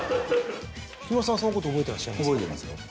木村さんはそのことを覚えてらっしゃいますか？